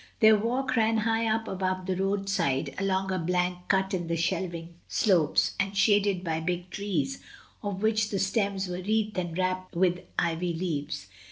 Their walk ran high up above the roadside, along a bank cut in the shelving slopes, and shaded by big trees, of which the stems were wreathed and wrapped with ivy leaves.